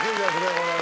これはね。